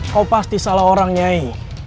kau pasti salah orang nyaing